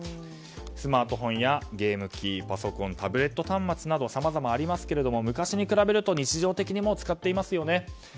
スマートフォンやゲーム機パソコンタブレット端末などさまざまありますけど昔に比べると日常的に使っていますよね。